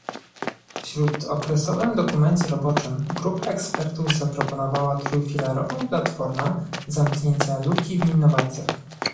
W śródokresowym dokumencie roboczym grupa ekspertów zaproponowała trójfilarową platformę zamknięcia luki w innowacjach